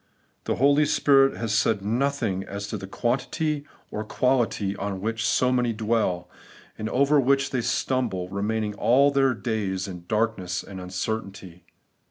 The Holy Spirit has said nothing as to quan tity or quality, on which so many dwell, and over which they stumble, remaining all their days in dark ness and uncertainty.